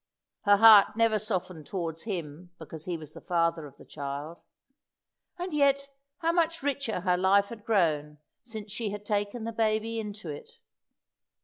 Her heart never softened towards him because he was the father of the child. And yet how much richer her life had grown since she had taken the baby into it!